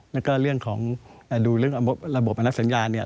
แล้วก็เรื่องของดูเรื่องระบบอนักสัญญาเนี่ย